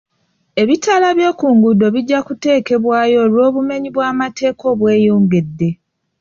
Ebitaala by'oku nguudo bijja kuteekebwayo olw'obumenyi bw'amateeka obweyongedde.